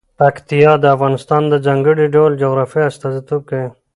پکتیا د افغانستان د ځانګړي ډول جغرافیه استازیتوب کوي.